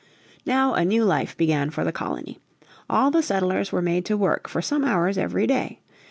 Now a new life began for the colony. All the settlers were made to work for some hours every day.